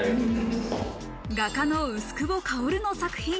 画家の薄久保香の作品。